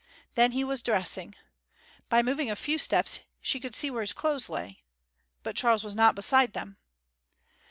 Then he was dressing. By moving a few steps she could see where his clothes lay. But Charles was not beside them.